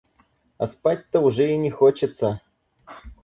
А спать-то уже и не хочется.